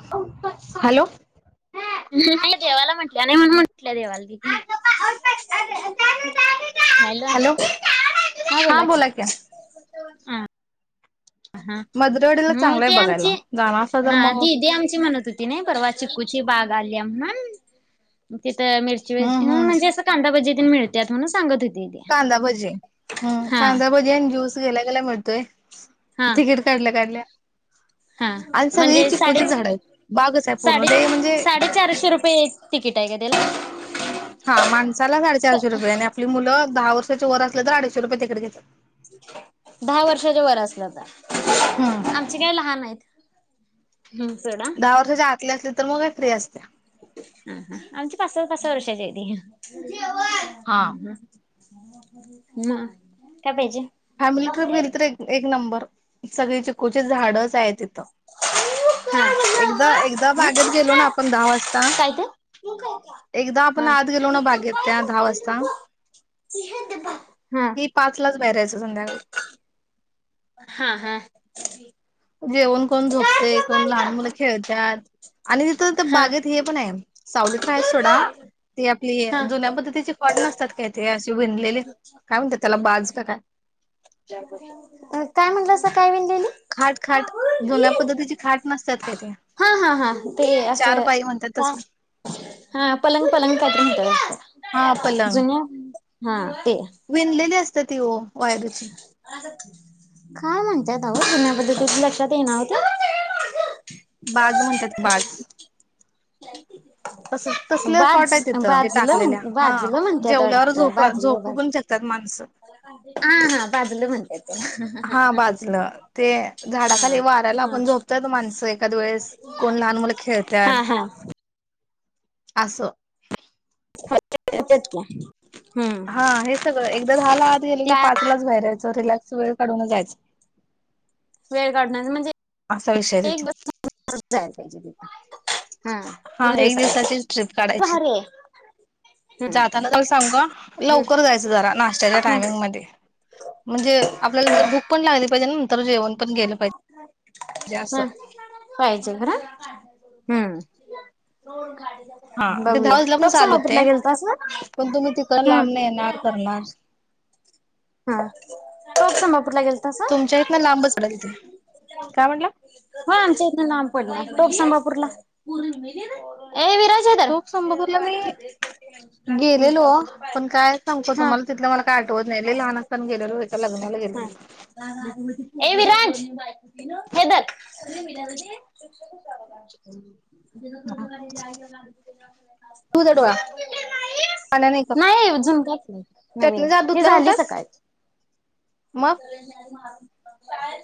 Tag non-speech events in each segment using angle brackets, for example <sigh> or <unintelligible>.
<unintelligible> Hello. नाही देवाला म्हंटलं नाही म्हण म्हटल्या देवाला <unintelligible> नाहीला हॅलो हा बोला की. हा. हा मधुरवाडीला मग चांगलंय ते बघायला आमची जाणार असला तर हा मग दीदी आमची म्हणत होती नाही परवा चिक्कूची बाग आली. <unintelligible> ते. त मिरची वेज हम्म अम्म हम्म म्हणजे अस कांदा भाजे. मिळतात म्हणून सांगत. होती ती कांदा भजी हम्म हा कांदा भजी आणि जूस. केला गला म्हतोय. हा तिकीट काढल्या काढल्या. हा आणि सगळी म्हणजे चिक्कुची साडे झाड आहेत बागच आहे पूर्ण साडे ते म्हणजे साडेचारशे रुपये तिकीट आहे का त्याला हा माणसाला साडेचारशे रुपये आणि आपली मुलं दहा वर्षाचे वर असल्या तर अडीचशे रुपये तिकडे घेतात. दहा वर्षाच्या वर असला तर. हम्म आमचे काय लहान आहेत. हम्म सोडा दहा वर्षाच्या आतली असले तर मग का फ्री असते. ह हा आमची पास पाचस वर्षाची हयातीया. हा हम्म हम् <unintelligible> ह काय पाहिजे. फॅमिली <unintelligible> ट्र्रीप गेली तर एक नंबर. सगळी चिकूचे झाडच आहेत. हा एकदा एकदा हं? बागेत गेलो ना आपण दहा वाजता, काय ते एकदा हा आपण आत गेलो ना बागेत त्या दहा वाजता हा मी पाच ला बरच. संध्याकाळी. हा हा. जेवण कोण झोपते कोण लहान मुलं खेळतात. आणि तिथं तर हा बागेत हे पण आहे, सावलीत रा आहे सोडा ते. आपली हा जुन्या पद्धतीची फॉट नसतात काय, ते असे भणलेले काय म्हणतात त्याला बाज का काय. काय म्हटलं अस काय विनलेली. खाट खाट जुन्या पद्धतीची खाट नसतात काय, ते हा हा हा ते चार असं पायी म्हणतात का तसले. हा पलंग पलंग काहीतरी हा म्हणतात पलांग. जुन्या हा. ते विणलेली असत ती ओ. वायरीची काय म्हणतय. हो पुु्या बद्दल तुझ लक्षात देणार होत <unintelligible> बाज म्हणतात बाज. ह <unintelligible> तसच तसले खॉट आहेत तिथं म्हणजे बाजलं टाकलेल्या म्हण हा बाजलं म्हणत्यात जेवल्यावर झोपं झोपू पण शकतात माणसं. आ हा बाजलं म्हणत्यात. त्याला हा बाजलं ते झाडाखाली वाऱ्याला आपण झोपतात माणसं एखाद वेळेस कोण लहान मुलं हा हा खेळत्यात. हा आसं. <inaudible> हम्म हा हे सगळं एकदा दहाला आात गेलं की त्या पाचलाच बाहेरयचं रिलॅक्स स वेळ काढूनच जायच. वेळ काढण्याच म्हणजे एक तिथे <unintelligible> जायाय पाहिजे तिथ. हा एक दिवसाचीच ट्रिप काढायची भारी आहे हम्म जाताना जरा सांगा हम्म लवकर जायचं जरा नष्ट्याच्या टायमिंग हम्म मध्ये म्हणजे आपल्याला जर भुक पण लागली पाहिजे न असं. हा पाहिजे खर. हम्म. हा ते दहा बघूया वाजला पण टोप चाल होते संभापूरला गेलतास ना पण तुम्ही तिकड लांबन हम्म येणार करणार. हा टॉफ संंबापूरला गेलतासा तुमच्या इथन लांबच पडल ते. काय म्हटला? हां आमच्या इतन लांब पडनार टॉफ संबापूर. <inaudible> ए विराज हे धर टोक संबपूरला मी हम् गेलेलो पण काय सांगतो हा. तुम्हाला तिथलं मला काय आठवत नाही लय लहान असताना गेलेलो एका लग्नाला गेलेलो. हा ए विराज. हे धर. धुजा डोळा पाण्याने हे करतो नाही अजून काहीच नाही, नवीन. चटणीचा हात धुतला झाली नव्हतास सकाळी. मग शाळेत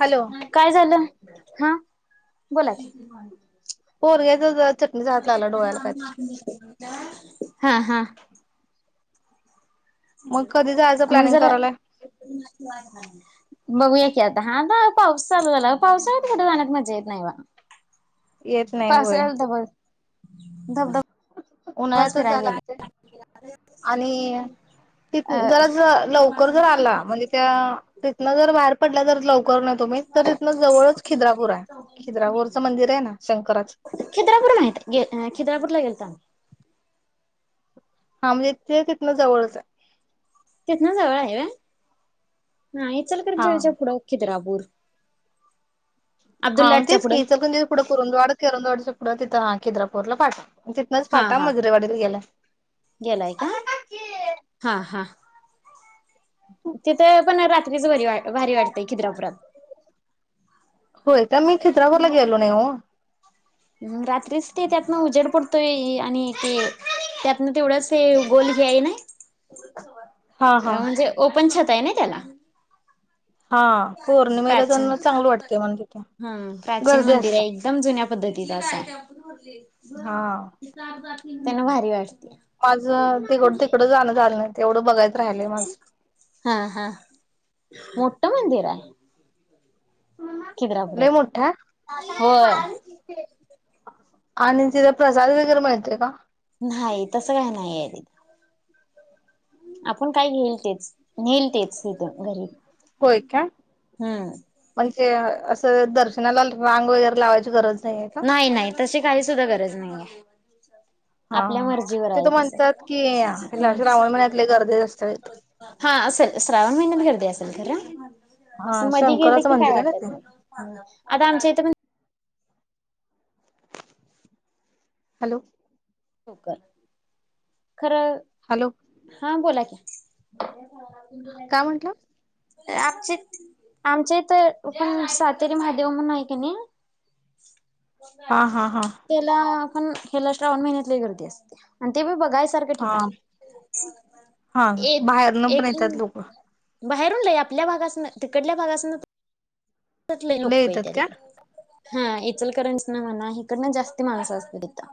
हॅलो काय झालं? हा बोला कि. पोरग्याचं जर हा हा. मग कधी जायचं मग प्लॅनिंग जरा करायलाय बघूया की आता हा ना. पाऊस चालू झाला पावसाळ्यात तर कुठ जाण्यात मज्या येत नाही वा. येत नाही पास होय <unintelligible> धब धब. उन्हाळ्यातच जाया लागतंय आणि तिथं अ जरास लवकर जर आला म्हणजे त्यां तिथनं जर बाहेर पडल्या जर ज. लवकर न तुम्ही तर तथनं जवळच खिद्रापूर हाय खिद्रापूरचं मंदिर हाय ना शंकर. खिद्रापूर माहित गे हा गे खिद्रापूर ला गेलता हा म्हणजे इथे तिथन जवळच आहे तेथना जवळ आहे वय हा हा इचलकरंजी च्या पुढ ओ खिद्रापूर बर हा मग तेच की इचलकरंजी च्या पुढ कुरुंदवाड च्या पुढं तिथं ह खिद्रापूर पाठव तिथनच हा फाटा हा मजरेवाडी ला गेलाय गेलाय का हा हा तिथे पण रात्रीच भारी वाटते खिद्रापुरात होय का मी खिद्रापूरला गेलो नाही ओ. रात्रीच ते त्यातनं उजेड पडतोय आणि ते त्यातन तेवढंच हे गोल घ्याय नाही हा हा म्हणजे पंछत आहे ना त्याला हा पौर्णिमेला प्राचीन जण चांगल वाटते म्हण तिथे गर्दी असत ददी द अस हब हा त्यांना भारी वाटते माझं तिकड तिकडं जाणं झालं नाही तेवढं बघायचं राहिलंय माझं. हा हा मोठा. मंदिर आहे. खिद्रापुरात लई मोठ हाय? होय आणि तिथ प्रसाद वगैरे मिळते का? नाही तसं काय नाहीय त आपण काय घेईल तेच. नेल तेच तिथ घरी होय काय? हम्म. म्हणजे असं दर्शनाला रांग वगैरे लावायची गरज आहे का? नाही नाही तशी काही सुद्धा गरज नाहीये. <inaudible> आपल्या हा. मर्जीवर आहे तिथं म्हणतात की ह्याला तस श्रावण महिन्यात लय गर्दी असते तिथं. <inaudible> हा असेल श्रावण महिन्यात गर्दी अस घरा. हा असं मध गेलं शंकराचं की काय मंदिर आहे ना ते वाटतात नाही, आता आमच्या इथ पण हॅलो. हो कर. खरं हॅलो हा बोला की. <unintelligible> काय म्हंटला? आचे आमच्या इथं पण सातेरी महादेव मंदीर आहे कणी हा हा हा. त्याला पण ह्याला श्रापण महिन्यात. लई गर्दी असती. अण ते बि बघायच हा हा आहे. एक बाहेरन पण येतात एकदम लोक. बाहेरून लई आपल्या भागासन, तिकडल्या भागासन त लय लोक येतात येत्या काय? तिकडे. हा इचलकरांच ना म्हणा इकडन जास्ती माणसं असतील तिथ.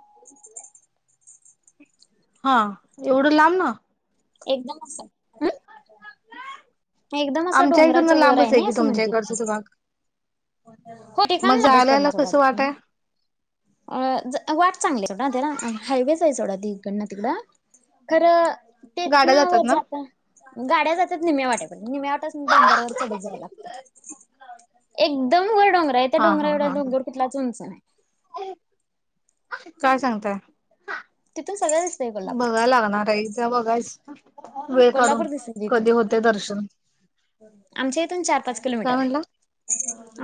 हा एवढं लांब न? एकदम असं एकदम असं आमच्या इकडनं डोंगराच्या वर आहे लांबच ना की असं तुमच्या मंदिर ते. इकडचं तो भाग. हो <inaudible> मग जायला यायला कसं वाट आहे वाट चांगलीड हायवे नाही सोडा ते इकडं तिकडं खरं गाड्या तिथनं जातात वर ना? जाता गाड्या जातात निम्यावाटे पण निम्यावाट्याास डंगर ववर चढत जायला लागतात. एकदम <inaudible> डोंगरा आहे त्या हा डंगरा हा एवढा हा डोंगर किथलाच उंच नाई. काय सांगताय? तिथून सगळं दिसतंय कोल्हापूर बघा लागणार आहेथ बघायच. वेळ काढून कोल्हापूर दिस इथून कधी होते दर्शन आमच्या इथून चार पाच किलोमीटर काय आहे. म्हणला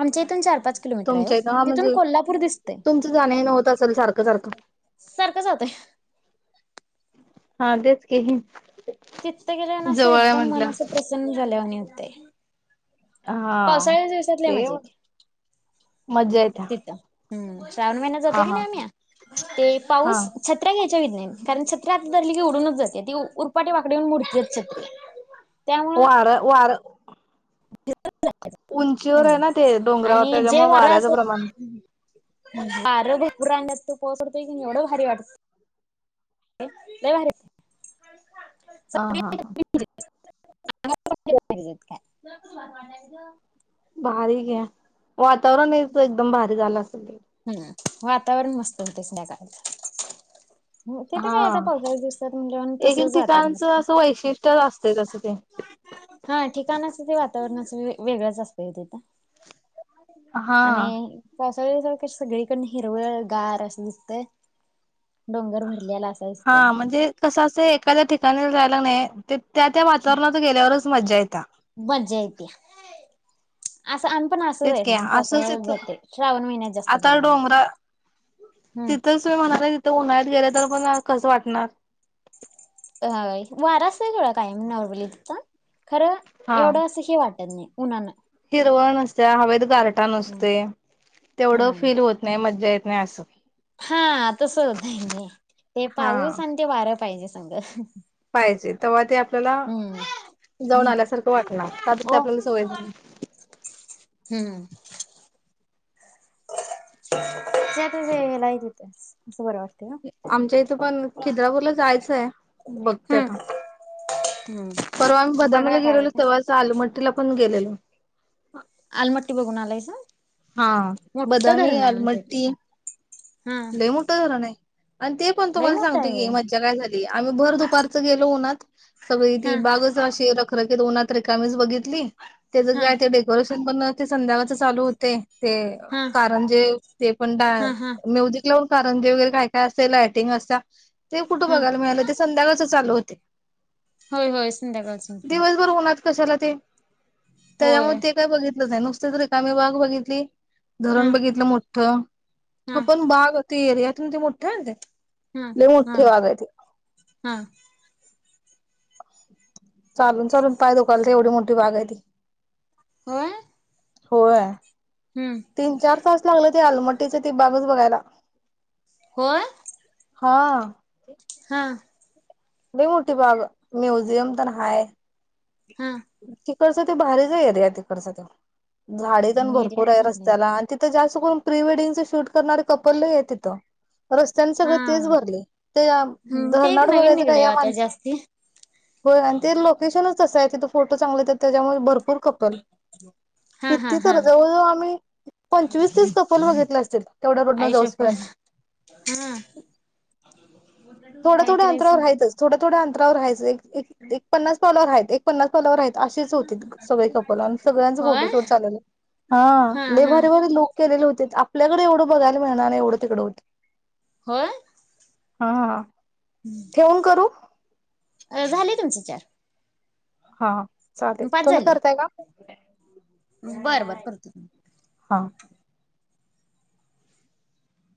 आमच्या इथून चार पाच किलोमीटर आहे तुमच्या इथं हा तिथून म्हणजे कोल्हापूर दिसते तुमचं जाणं येणं होत असेल सारखं सारखं सारखं जातोय. हा देेत कही. तितथ गेल्या असं एकदम मन असं प्रसन्न झाल्यावाणी होत. ते. हा तेव येते मजा येत. हम्. श्रावण महिन्यात जातो की नाही आम््या ते हा पाऊस छत्र्या घ्यायच्या व नाही कारण छत्रे आता धली की उडूनच जात ती उरपाटी वाकडीऊन मुडती छत्री. त्यामुळं वर वर उंचीवर आहे हम्म ना ते डोंगरावर त्याच्यामुळे वाऱ्याचं प्रमाण बार भरपूर रांगत तू पोहतडतो की एवढं भारी वाटत लय भारी हा हा हा का बारीक आहे वातावरण आहे तर एकदम भारीक झालं अस हम्म वातावरण मस्त होतेच नकाळच तिथे हा काय आता पावसाळी दिवसात म्हणजे एक एक तसच वातावरण ठिकाणचं असत असं वैशिष्ट्य असते तसं ते हा ठिकाणाच ते वातावरणच वेगळांच असत तथ हा आणि कस का <inaudible> सगळीकड हिरवळ गार असं दिसतय डोंगर भरलेला असा हा दिसतय म्हणजे कसं एखाद्या ठिकाणी राहिला नाही ते त्या त्या वातावरणाात गेल्यावरच खू मजाेतता मज्जा येत असं पण असंच तेच आहे की नाही असंच पासळ इथ जाते श्रावण महिन्यात जास्त आता प्रमाणात डोंगरा हम्म तिथंच मी म्हणाले उन्हाळ्यात गेले तर पण कस वाटणार ह वारा अस केवड काय नॉर्मली तिं खरं एवढं असंही वाटत नाही उनाला. हिरव नसत, हवेत गारटा नसते, तेवढं हम्म फील होत नाही मज्ज नाही अस. हा तस ते हा पाऊस आणि ते वार पाहिजे. चांग <inaudible> पाहिजे तेव्हा ते, आपल्याला जाऊन हम्म आल्यासारखं वाटणार का तर ते ओ आपल्याला सवय झाली. हम्म <unintelligible> आमच्या इथं पण खिद्रापूरला जायचंय बघते आता. हम्म परवा आम्ही बदामला बघा काय गेलेलो, होते. तेव्हाच अलमट्टीला पण गेलेलो. आलमट्टी बघून आलायस. हा बदामी आलमट्टी, हा लई मोठे धरण आहे. आणि ते पण लय तुम्हा मोठं सांगतो आहे होय. की मज्जा काय झाली. भर दुपारच गेलो ऊनात, सगळी ती हा बागाच अशी खर तर उन्हात रिकाम्यीच बगितली. हा त्याचं आहे ते डेकोरेशन. पण ते संध्याकाळच चालू होते. ते हा कारंजे ते पण डा हा हा कारंजे वगैरे काय काय असेल लायटिंग असत्या. ते कुठं हा बघायला मिळाला ते संध्याकाळच चालू होते. होय होय संध्याकाळच. दिवसभर उन्हात कशाला ते, त्याच्यामुळे होय ते काय बगितले आहे नुसतेच रिकामी बाग बघितली. हा धरण बघितलं मोठ <unintelligible> हा आपण बाग ते एरियात ते मोठे आहे ते. हम् लय मोठी हम बाग आहे ती हम! चालून चालून पाय दुखतात एवढी मोठी बाग आहे ती. हा होय तीन चार तास लागलेत आलमटीच ते बागच बघायला होय हा हा नाही मोठी बाग म्युझियम ते हाय हा <unintelligible> तसं ते भारीचे एरिया तिकडचं झाडे पण एरियात भरपूर आहे चांगले आहेत रस्त्याला आणि तिथं जास्त करून प्री वेडिंग च शूट करणारे कपल आहे तिथं रस्त्यांने सगळं तेच हा भरले ते हम्म ते एक धरणड नवीन बघायचं काय निघलय या आता माणस जास्ती होय आणि ते लोकेशनच तिथे फोटो चांगले त्याच्यामुळे भरपूर कपल हा हा किती हा तर जवळ जवळ आम्ही पंचवीस तीस कपल बघितला असेल तेवढ्या रोडन आई जाऊस शपथ पर्यंत हा काय थोडथोड्या अंतरावर करायचं रायच थो थोड्या अंतरावर रायच एक एक पन्नास पावलावर आहेत एक पन्नास पाववर आहे अशेच होती बघ सगळे कपल सगळ्यांच होय फोटोशूट चालेलं हा लय भरे भरे लोक केलेले होते आपल्याकडे एवढं बघायला मिळणार एवढं तिकड होत होय हा ठेवून करू अ झाले तुमचे चार हा चालेल पाच तुम्ही झाले करताय का बरं बरं करतो. हा